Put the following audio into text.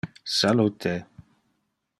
Salute!